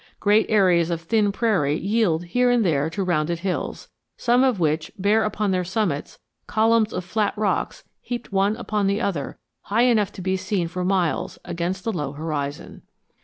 Great areas of thin prairie yield here and there to rounded hills, some of which bear upon their summits columns of flat rocks heaped one upon the other high enough to be seen for miles against the low horizon.